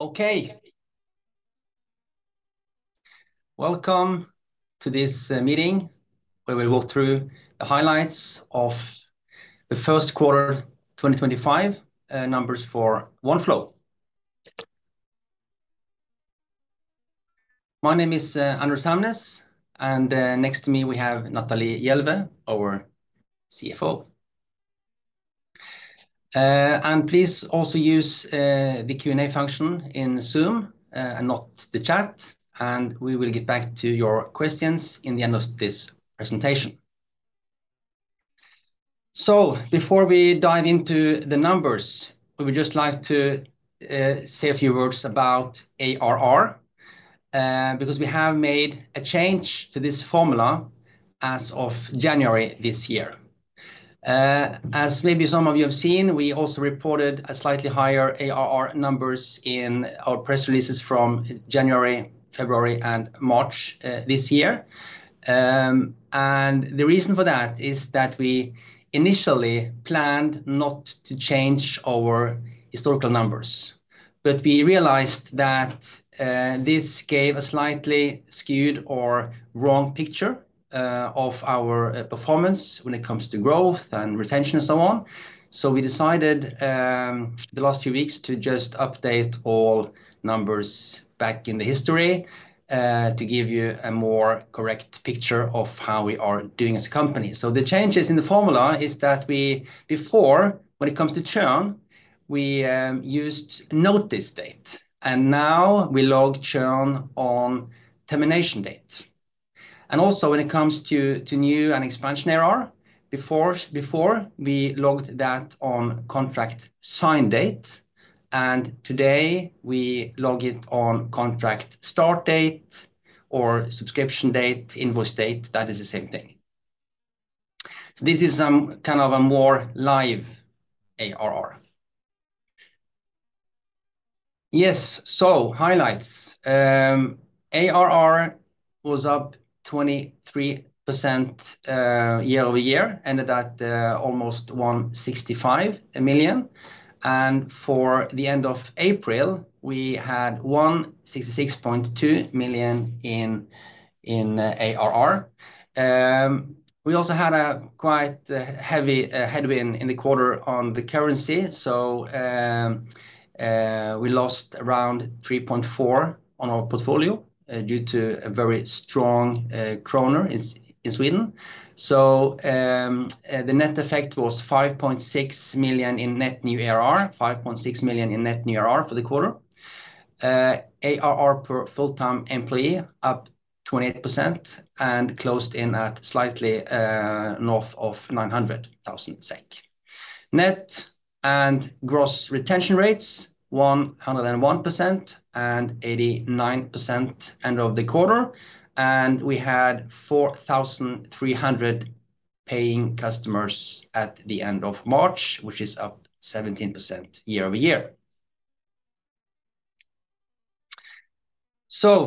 Okay. Welcome to this meeting where we'll go through the highlights of the first quarter 2025 numbers for Oneflow. My name is Anders Hamnes, and next to me we have Natalie Jelveh, our CFO. Please also use the Q&A function in Zoom and not the chat, and we will get back to your questions in the end of this presentation. Before we dive into the numbers, we would just like to say a few words about ARR because we have made a change to this formula as of January this year. As maybe some of you have seen, we also reported slightly higher ARR numbers in our press releases from January, February, and March this year. The reason for that is that we initially planned not to change our historical numbers, but we realized that this gave a slightly skewed or wrong picture of our performance when it comes to growth and retention and so on. We decided the last few weeks to just update all numbers back in the history to give you a more correct picture of how we are doing as a company. The changes in the formula is that before, when it comes to churn, we used notice date, and now we log churn on termination date. Also, when it comes to new and expansion ARR, before we logged that on contract sign date, and today we log it on contract start date or subscription date, invoice date, that is the same thing. This is kind of a more live ARR. Yes, highlights. ARR was up 23% year over year, ended at almost 165 million. For the end of April, we had 166.2 million in ARR. We also had a quite heavy headwind in the quarter on the currency, so we lost around 3.4 million on our portfolio due to a very strong kronor in Sweden. The net effect was 5.6 million in net new ARR, 5.6 million in net new ARR for the quarter. ARR per full-time employee up 28% and closed in at slightly north of 900,000 SEK. Net and gross retention rates 101% and 89% end of the quarter, and we had 4,300 paying customers at the end of March, which is up 17% year over year.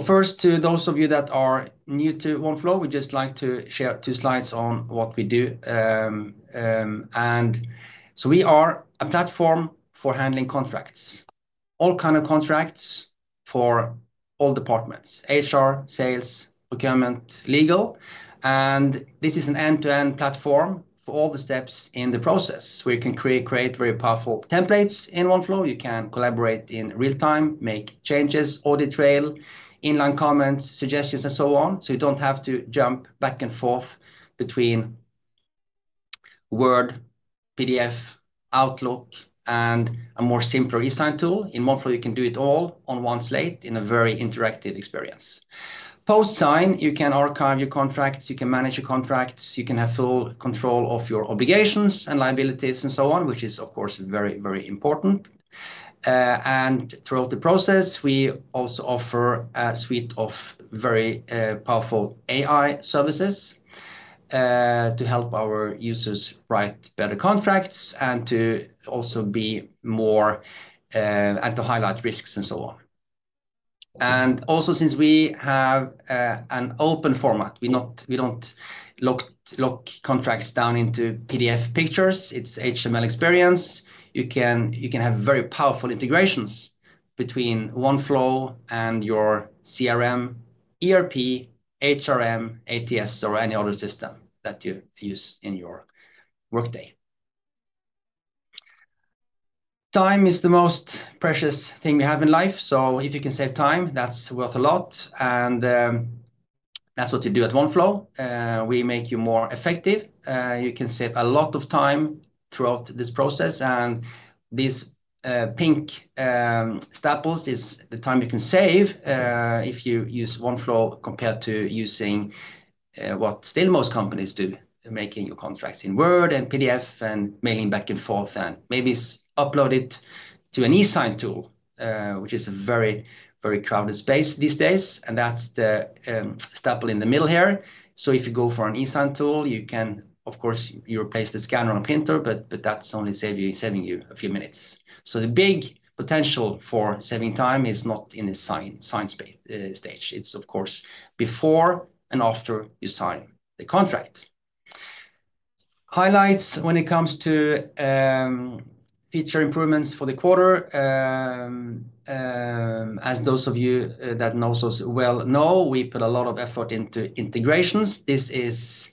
First, to those of you that are new to Oneflow, we'd just like to share two slides on what we do. We are a platform for handling contracts, all kinds of contracts for all departments: HR, sales, procurement, legal. This is an end-to-end platform for all the steps in the process where you can create very powerful templates in Oneflow. You can collaborate in real time, make changes, audit trail, inline comments, suggestions, and so on. You do not have to jump back and forth between Word, PDF, Outlook, and a more simple e-sign tool. In Oneflow, you can do it all on one slate in a very interactive experience. Post-sign, you can archive your contracts, you can manage your contracts, you can have full control of your obligations and liabilities and so on, which is, of course, very, very important. Throughout the process, we also offer a suite of very powerful AI services to help our users write better contracts and to also be more and to highlight risks and so on. Also, since we have an open format, we do not lock contracts down into PDF pictures. It is an HTML experience. You can have very powerful integrations between Oneflow and your CRM, ERP, HRM, ATS, or any other system that you use in your workday. Time is the most precious thing we have in life, so if you can save time, that is worth a lot, and that is what you do at Oneflow. We make you more effective. You can save a lot of time throughout this process, and these pink staples is the time you can save if you use Oneflow compared to using what still most companies do, making your contracts in Word and PDF and mailing back and forth, and maybe upload it to an e-sign tool, which is a very, very crowded space these days. That is the staple in the middle here. If you go for an e-sign tool, you can, of course, replace the scanner on a printer, but that is only saving you a few minutes. The big potential for saving time is not in the sign stage; it is, of course, before and after you sign the contract. Highlights when it comes to feature improvements for the quarter, as those of you that know us well know, we put a lot of effort into integrations. This is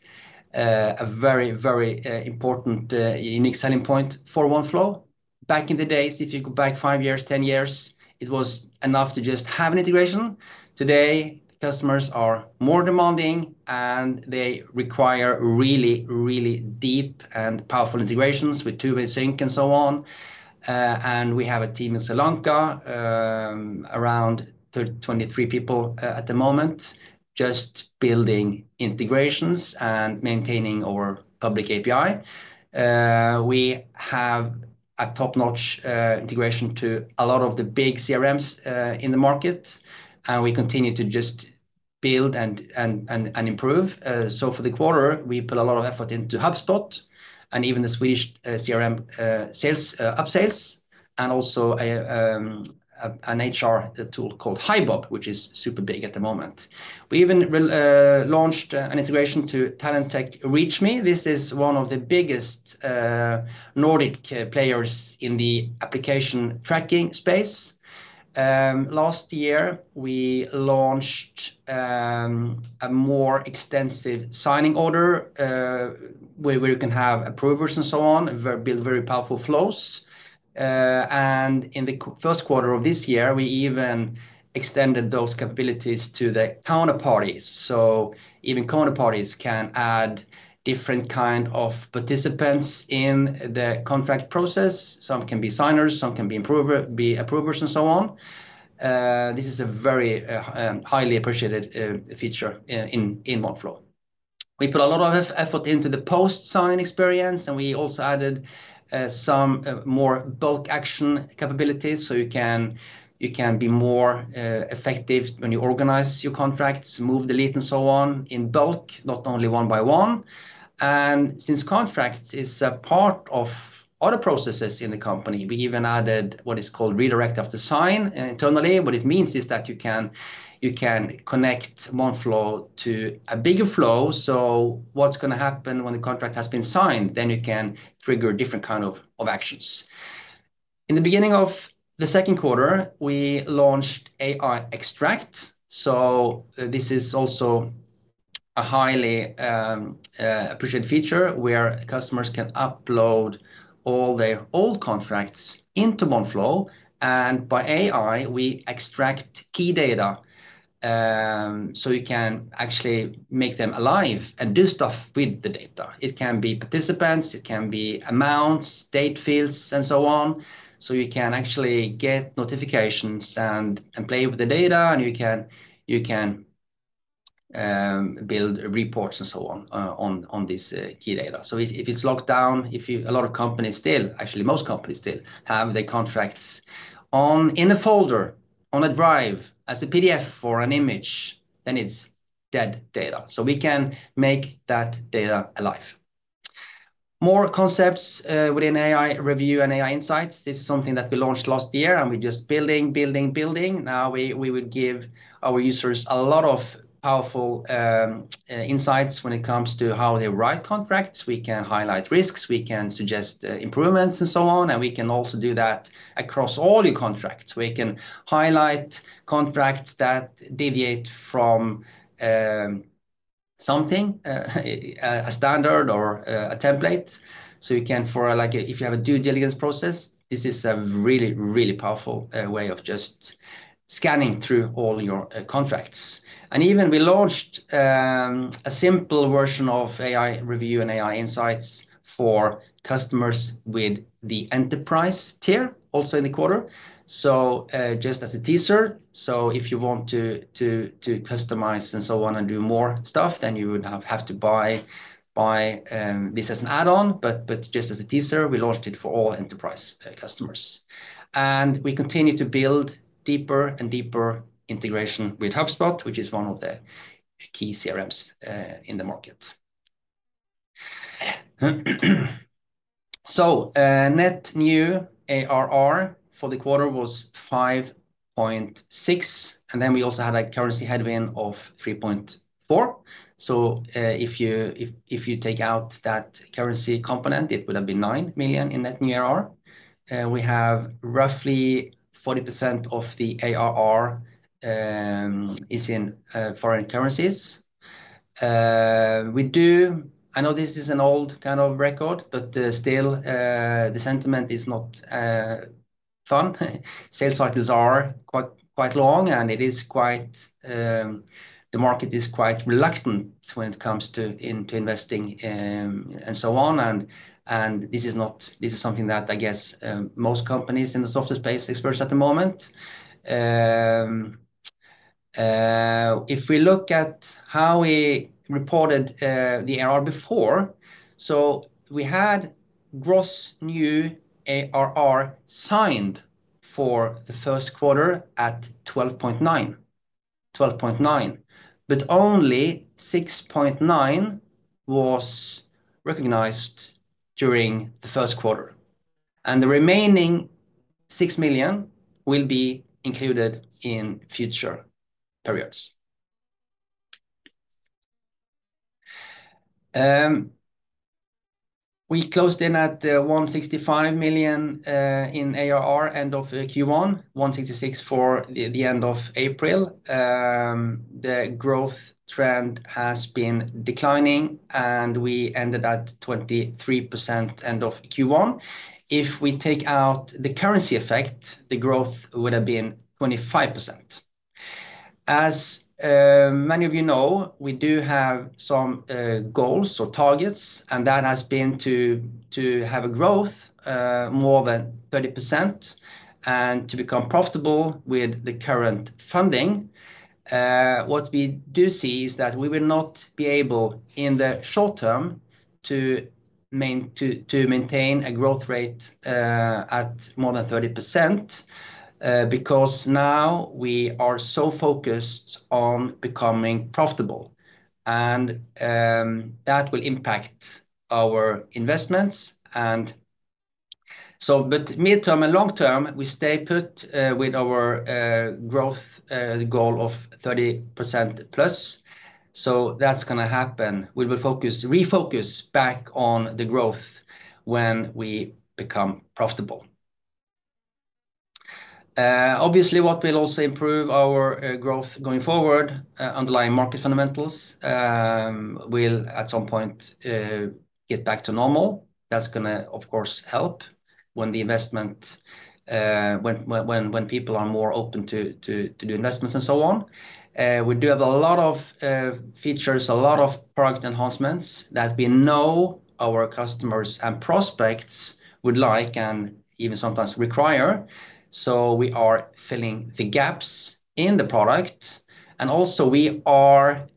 a very, very important unique selling point for Oneflow. Back in the days, if you go back five years, ten years, it was enough to just have an integration. Today, customers are more demanding, and they require really, really deep and powerful integrations with two-way sync and so on. We have a team in Sri Lanka, around 23 people at the moment, just building integrations and maintaining our public API. We have a top-notch integration to a lot of the big CRMs in the market, and we continue to just build and improve. For the quarter, we put a lot of effort into HubSpot and even the Swedish CRM Upsales and also an HR tool called Hibob, which is super big at the moment. We even launched an integration to Talentech ReachMee. This is one of the biggest Nordic players in the application tracking space. Last year, we launched a more extensive signing order where you can have approvers and so on, build very powerful flows. In the first quarter of this year, we even extended those capabilities to the counterparties. Even counterparties can add different kinds of participants in the contract process. Some can be signers, some can be approvers, and so on. This is a very highly appreciated feature in Oneflow. We put a lot of effort into the post-sign experience, and we also added some more bulk action capabilities so you can be more effective when you organize your contracts, move the lead, and so on in bulk, not only one by one. Since contracts are part of other processes in the company, we even added what is called redirect after sign internally. What it means is that you can connect Oneflow to a bigger flow. What is going to happen when the contract has been signed? You can trigger different kinds of actions. In the beginning of the second quarter, we launched AI Extract. This is also a highly appreciated feature where customers can upload all their old contracts into Oneflow. By AI, we extract key data so you can actually make them alive and do stuff with the data. It can be participants, it can be amounts, date fields, and so on. You can actually get notifications and play with the data, and you can build reports and so on on this key data. If it is locked down, a lot of companies still, actually most companies still have their contracts in a folder, on a drive, as a PDF or an image, then it is dead data. We can make that data alive. More concepts within AI Review and AI Insights. This is something that we launched last year, and we're just building, building, building. Now we would give our users a lot of powerful insights when it comes to how they write contracts. We can highlight risks, we can suggest improvements, and so on, and we can also do that across all your contracts. We can highlight contracts that deviate from something, a standard or a template. For example, if you have a due diligence process, this is a really, really powerful way of just scanning through all your contracts. Even we launched a simple version of AI Review and AI Insights for customers with the enterprise tier also in the quarter. Just as a teaser, if you want to customize and so on and do more stuff, then you would have to buy this as an add-on. Just as a teaser, we launched it for all enterprise customers. We continue to build deeper and deeper integration with HubSpot, which is one of the key CRMs in the market. Net new ARR for the quarter was 5.6 million, and then we also had a currency headwind of 3.4 million. If you take out that currency component, it would have been 9 million in net new ARR. We have roughly 40% of the ARR in foreign currencies. I know this is an old kind of record, but still the sentiment is not fun. Sales cycles are quite long, and the market is quite reluctant when it comes to investing and so on. This is something that I guess most companies in the software space experience at the moment. If we look at how we reported the ARR before, we had gross new ARR signed for the first quarter at 12.9 million, but only 6.9 million was recognized during the first quarter. The remaining 6 million will be included in future periods. We closed in at 165 million in ARR end of Q1, 166 million for the end of April. The growth trend has been declining, and we ended at 23% end of Q1. If we take out the currency effect, the growth would have been 25%. As many of you know, we do have some goals or targets, and that has been to have a growth more than 30% and to become profitable with the current funding. What we do see is that we will not be able in the short term to maintain a growth rate at more than 30% because now we are so focused on becoming profitable, and that will impact our investments. Midterm and long term, we stay put with our growth goal of 30% plus. That is going to happen. We will refocus back on the growth when we become profitable. Obviously, what will also improve our growth going forward, underlying market fundamentals, will at some point get back to normal. That is going to, of course, help when the investment, when people are more open to do investments and so on. We do have a lot of features, a lot of product enhancements that we know our customers and prospects would like and even sometimes require. We are filling the gaps in the product. We are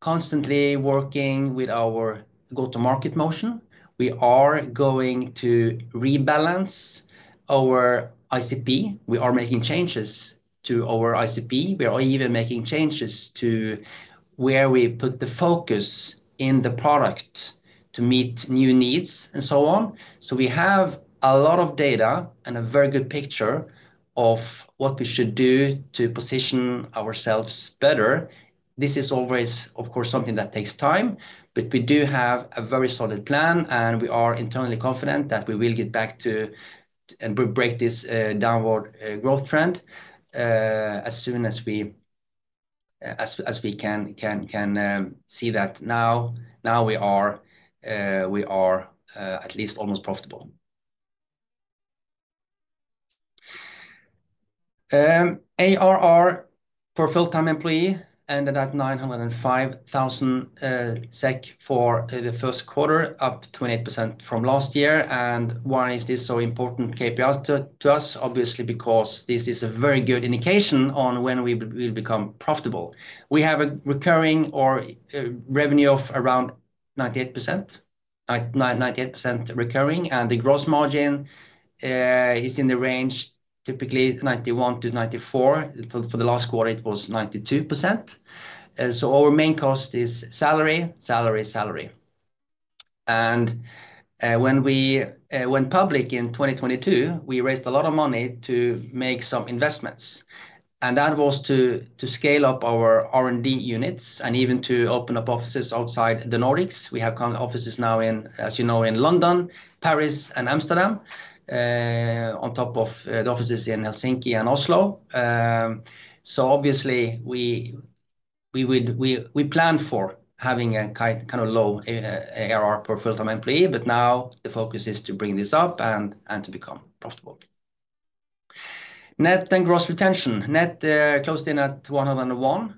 constantly working with our go-to-market motion. We are going to rebalance our ICP. We are making changes to our ICP. We are even making changes to where we put the focus in the product to meet new needs and so on. We have a lot of data and a very good picture of what we should do to position ourselves better. This is always, of course, something that takes time, but we do have a very solid plan, and we are internally confident that we will get back to and break this downward growth trend as soon as we can see that now we are at least almost profitable. ARR for a full-time employee ended at 905,000 SEK for the first quarter, up 28% from last year. Why is this so important KPIs to us? Obviously, because this is a very good indication on when we will become profitable. We have a recurring revenue of around 98%, 98% recurring, and the gross margin is in the range typically 91-94%. For the last quarter, it was 92%. Our main cost is salary, salary, salary. When we went public in 2022, we raised a lot of money to make some investments. That was to scale up our R&D units and even to open up offices outside the Nordics. We have offices now, as you know, in London, Paris, and Amsterdam, on top of the offices in Helsinki and Oslo. We planned for having a kind of low ARR per full-time employee, but now the focus is to bring this up and to become profitable. Net and gross retention. Net closed in at 101%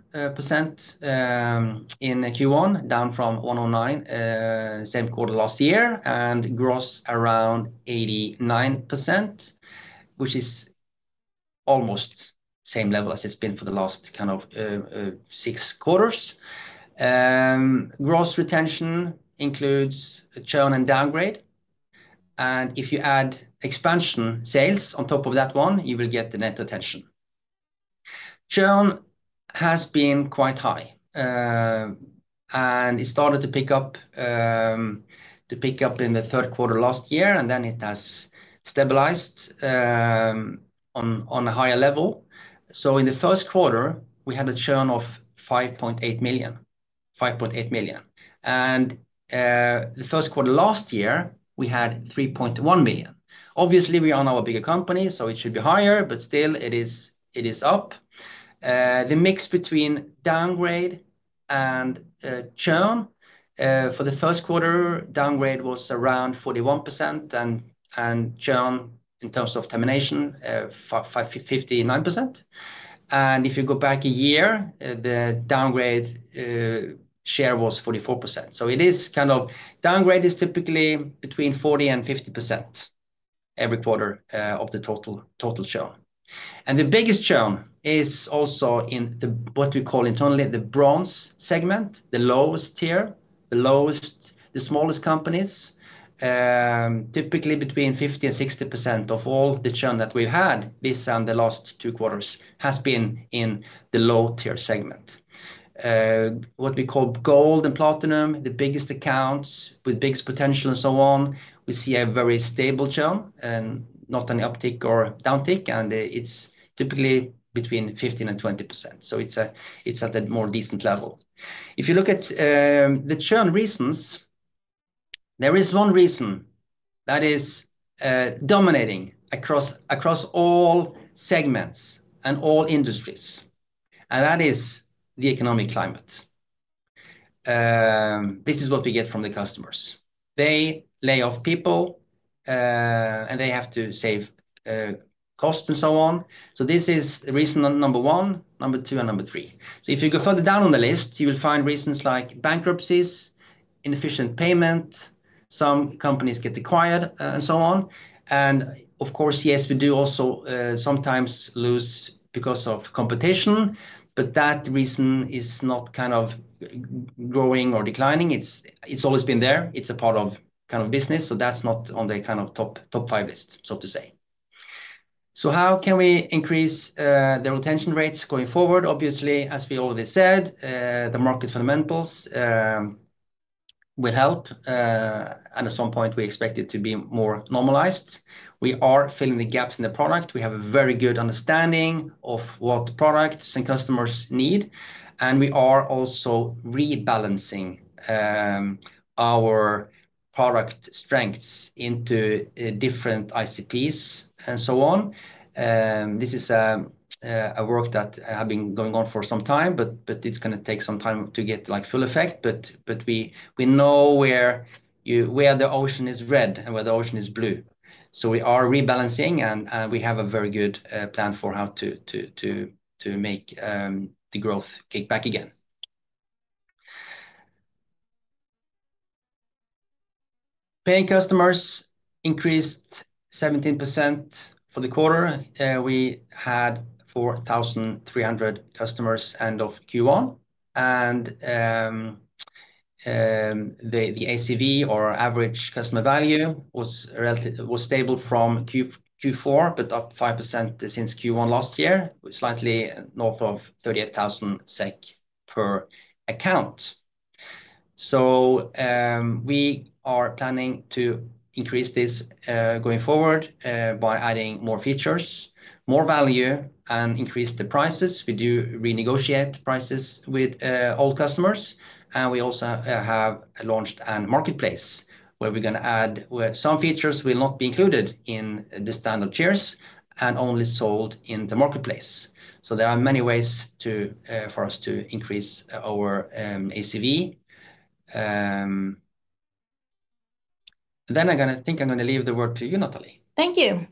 in Q1, down from 109% same quarter last year, and gross around 89%, which is almost same level as it's been for the last kind of six quarters. Gross retention includes churn and downgrade. If you add expansion sales on top of that one, you will get the net retention. Churn has been quite high, and it started to pick up in the third quarter last year, and then it has stabilized on a higher level. In the first quarter, we had a churn of 5.8 million. 5.8 million. In the first quarter last year, we had 3.1 million. Obviously, we are now a bigger company, so it should be higher, but still, it is up. The mix between downgrade and churn for the first quarter, downgrade was around 41%, and churn in terms of termination, 59%. If you go back a year, the downgrade share was 44%. It is kind of downgrade is typically between 40-50% every quarter of the total churn. The biggest churn is also in what we call internally the bronze segment, the lowest tier, the smallest companies. Typically, between 50-60% of all the churn that we've had this and the last two quarters has been in the low-tier segment. What we call gold and platinum, the biggest accounts with biggest potential and so on, we see a very stable churn and not any uptick or downtick, and it's typically between 15-20%. It is at a more decent level. If you look at the churn reasons, there is one reason that is dominating across all segments and all industries, and that is the economic climate. This is what we get from the customers. They lay off people, and they have to save costs and so on. This is reason number one, number two, and number three. If you go further down on the list, you will find reasons like bankruptcies, inefficient payment, some companies get acquired, and so on. Of course, yes, we do also sometimes lose because of competition, but that reason is not kind of growing or declining. It's always been there. It's a part of kind of business, so that's not on the kind of top five list, so to say. How can we increase the retention rates going forward? Obviously, as we already said, the market fundamentals will help, and at some point, we expect it to be more normalized. We are filling the gaps in the product. We have a very good understanding of what products and customers need, and we are also rebalancing our product strengths into different ICPs and so on. This is a work that has been going on for some time, but it is going to take some time to get full effect. We know where the ocean is red and where the ocean is blue. We are rebalancing, and we have a very good plan for how to make the growth kick back again. Paying customers increased 17% for the quarter. We had 4,300 customers end of Q1, and the ACV, or average customer value, was stable from Q4, but up 5% since Q1 last year, slightly north of 38,000 SEK per account. We are planning to increase this going forward by adding more features, more value, and increase the prices. We do renegotiate prices with old customers, and we also have launched a marketplace where we're going to add some features that will not be included in the standard tiers and only sold in the marketplace. There are many ways for us to increase our ACV. I think I'm going to leave the word to you, Natalie. Thank you.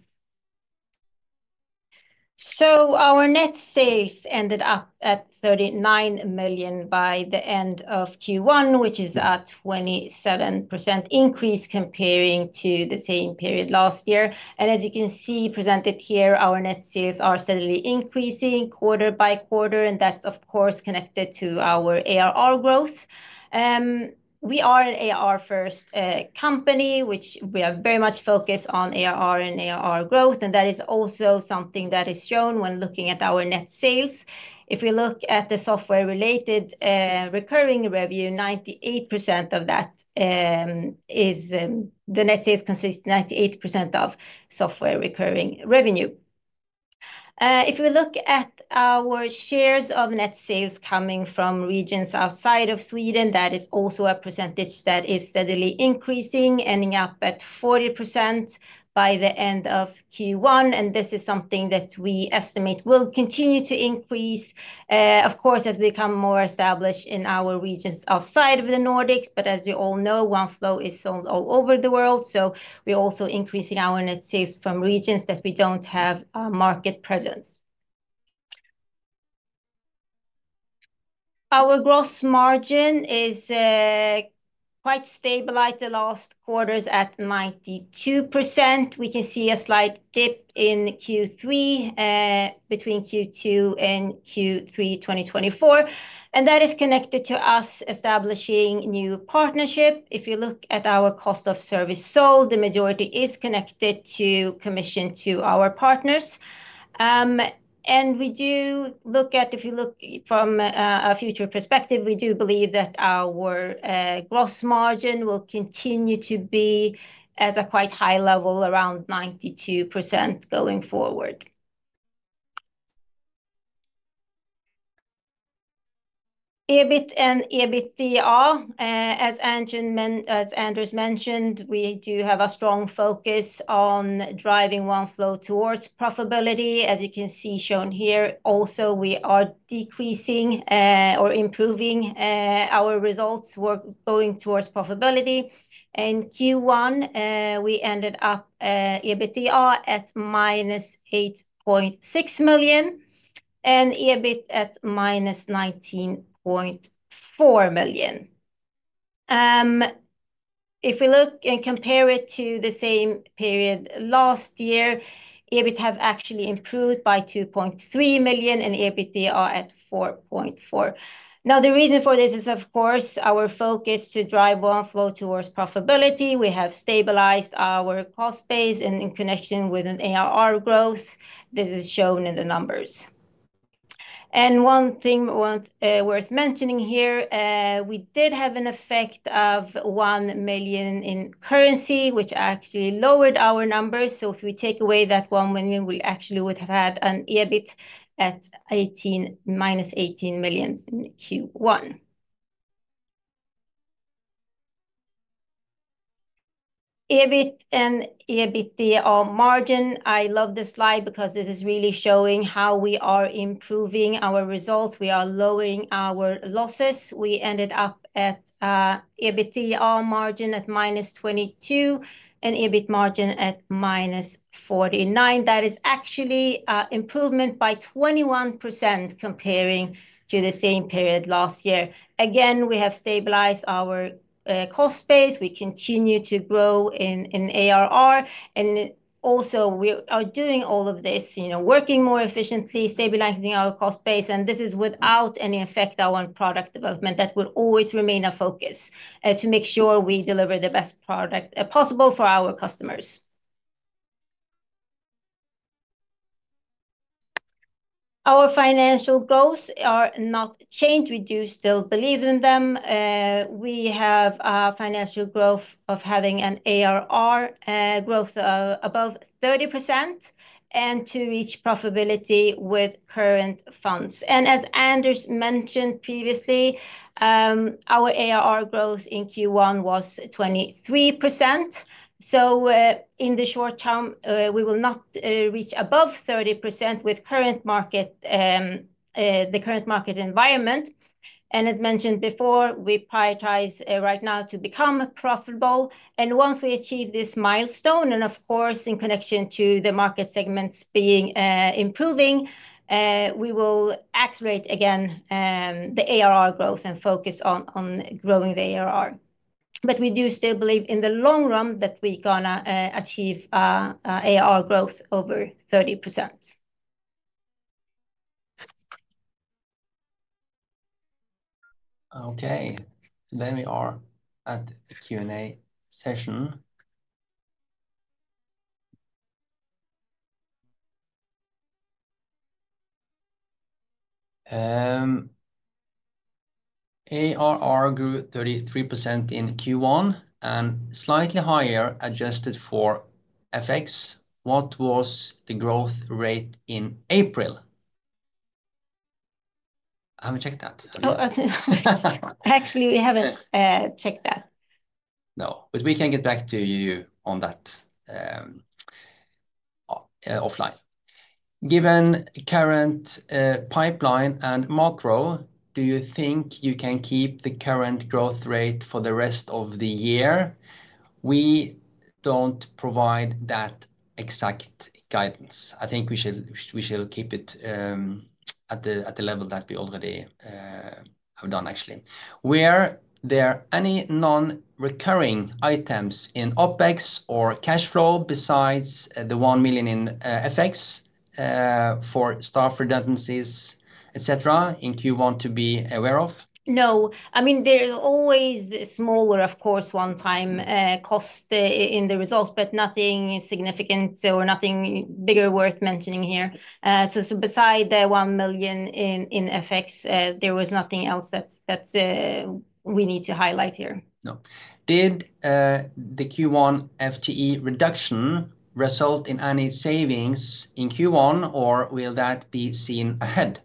Our net sales ended up at 39 million by the end of Q1, which is a 27% increase comparing to the same period last year. As you can see presented here, our net sales are steadily increasing quarter by quarter, and that's, of course, connected to our ARR growth. We are an ARR-first company, which we are very much focused on ARR and ARR growth, and that is also something that is shown when looking at our net sales. If we look at the software-related recurring revenue, 98% of that is the net sales consist of 98% of software recurring revenue. If we look at our shares of net sales coming from regions outside of Sweden, that is also a percentage that is steadily increasing, ending up at 40% by the end of Q1, and this is something that we estimate will continue to increase, of course, as we become more established in our regions outside of the Nordics. As you all know, Oneflow is sold all over the world, so we're also increasing our net sales from regions that we do not have a market presence. Our gross margin is quite stable at the last quarters at 92%. We can see a slight dip in Q3 between Q2 and Q3 2024, and that is connected to us establishing new partnerships. If you look at our cost of service sold, the majority is connected to commission to our partners. If you look from a future perspective, we do believe that our gross margin will continue to be at a quite high level, around 92% going forward. EBIT and EBITDA, as Anders mentioned, we do have a strong focus on driving Oneflow towards profitability, as you can see shown here. Also, we are decreasing or improving our results going towards profitability. In Q1, we ended up EBITDA at -8.6 million and EBIT at -19.4 million. If we look and compare it to the same period last year, EBIT have actually improved by 2.3 million and EBITDA at 4.4 million. The reason for this is, of course, our focus to drive Oneflow towards profitability. We have stabilized our cost base in connection with an ARR growth. This is shown in the numbers. One thing worth mentioning here, we did have an effect of 1 million in currency, which actually lowered our numbers. If we take away that 1 million, we actually would have had an EBIT at minus 18 million in Q1. EBIT and EBITDA margin. I love this slide because it is really showing how we are improving our results. We are lowering our losses. We ended up at EBITDA margin at minus 22% and EBIT margin at minus 49%. That is actually an improvement by 21% comparing to the same period last year. We have stabilized our cost base. We continue to grow in ARR. We are doing all of this, working more efficiently, stabilizing our cost base. This is without any effect on product development. That will always remain a focus to make sure we deliver the best product possible for our customers. Our financial goals are not changed. We do still believe in them. We have a financial growth of having an ARR growth of above 30% and to reach profitability with current funds. As Anders mentioned previously, our ARR growth in Q1 was 23%. In the short term, we will not reach above 30% with the current market environment. As mentioned before, we prioritize right now to become profitable. Once we achieve this milestone, and of course, in connection to the market segments being improving, we will accelerate again the ARR growth and focus on growing the ARR. We do still believe in the long run that we're going to achieve ARR growth over 30%. Okay. We are at the Q&A session. ARR grew 33% in Q1 and slightly higher adjusted for FX. What was the growth rate in April? Have you checked that? Actually, we haven't checked that. No, but we can get back to you on that offline. Given the current pipeline and macro, do you think you can keep the current growth rate for the rest of the year? We don't provide that exact guidance. I think we shall keep it at the level that we already have done, actually. Were there any non-recurring items in OpEx or cash flow besides the 1 million in FX for staff redundancies, etc., in Q1 to be aware of? No. I mean, there's always smaller, of course, one-time cost in the results, but nothing significant or nothing bigger worth mentioning here. So beside the 1 million in FX, there was nothing else that we need to highlight here. Did the Q1 FTE reduction result in any savings in Q1, or will that be seen ahead?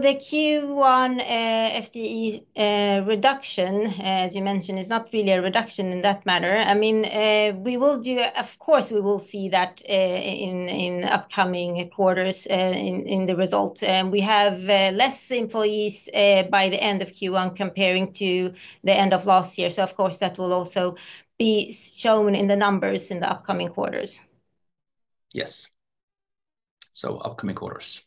The Q1 FTE reduction, as you mentioned, is not really a reduction in that matter. I mean, we will see that in upcoming quarters in the results. We have fewer employees by the end of Q1 compared to the end of last year. That will also be shown in the numbers in the upcoming quarters. Yes. Upcoming quarters.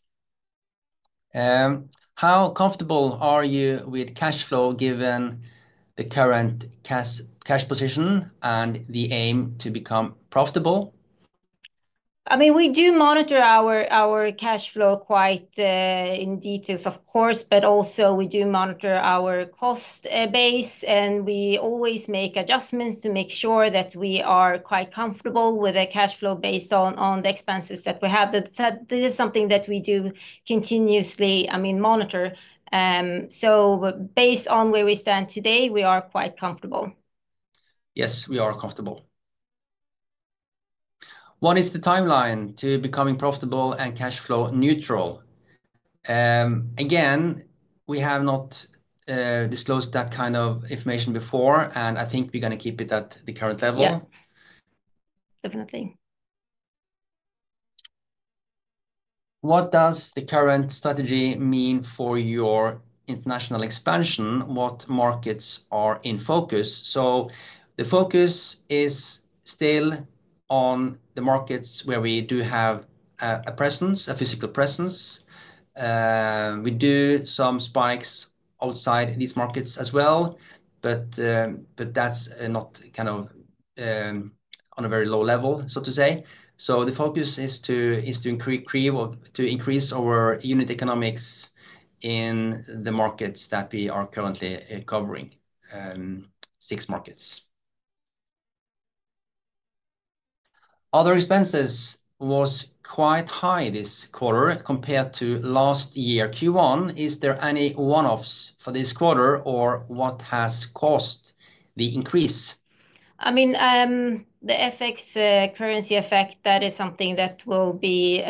How comfortable are you with cash flow given the current cash position and the aim to become profitable? I mean, we do monitor our cash flow quite in detail, of course, but also we do monitor our cost base, and we always make adjustments to make sure that we are quite comfortable with the cash flow based on the expenses that we have. This is something that we do continuously, I mean, monitor. Based on where we stand today, we are quite comfortable. Yes, we are comfortable. What is the timeline to becoming profitable and cash flow neutral? Again, we have not disclosed that kind of information before, and I think we're going to keep it at the current level. Yeah. Definitely. What does the current strategy mean for your international expansion? What markets are in focus? The focus is still on the markets where we do have a presence, a physical presence. We do some spikes outside these markets as well, but that's not kind of on a very low level, so to say. The focus is to increase our unit economics in the markets that we are currently covering, six markets. Other expenses were quite high this quarter compared to last year, Q1. Is there any one-offs for this quarter, or what has caused the increase? I mean, the FX currency effect, that is something that will be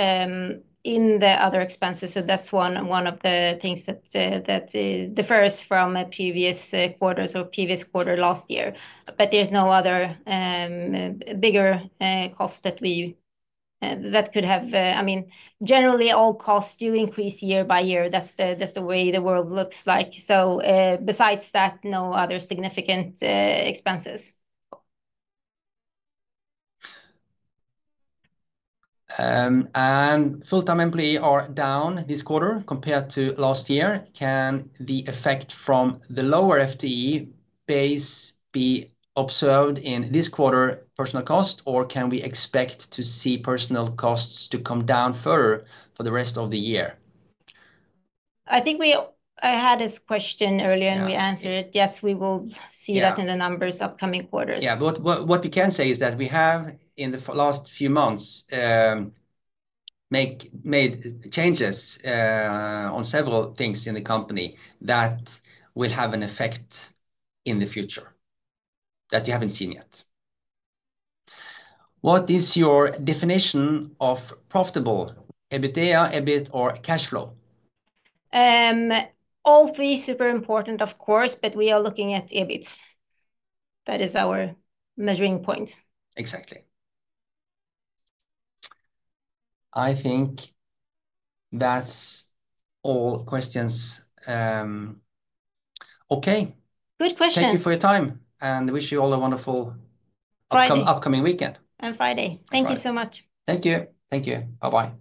in the other expenses. That is one of the things that differs from previous quarters or previous quarter last year. There is no other bigger cost that could have, I mean, generally, all costs do increase year by year. That is the way the world looks like. Besides that, no other significant expenses. Full-time employees are down this quarter compared to last year. Can the effect from the lower FTE base be observed in this quarter personal cost, or can we expect to see personal costs to come down further for the rest of the year? I think we had this question earlier, and we answered it. Yes, we will see that in the numbers upcoming quarters. Yeah.What we can say is that we have, in the last few months, made changes on several things in the company that will have an effect in the future that you have not seen yet. What is your definition of profitable? EBITDA, EBIT, or cash flow? All three are super important, of course, but we are looking at EBITs. That is our measuring point. Exactly. I think that is all questions. Okay. Good questions. Thank you for your time, and wish you all a wonderful upcoming weekend. Friday. And Friday. Thank you so much. Thank you. Thank you. Bye-bye.